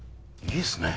いいですね。